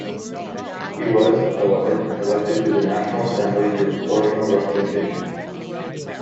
He was, however, elected to the National Assembly through proportional representation.